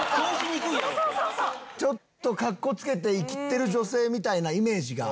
ちょっとかっこつけてイキってる女性みたいなイメージが。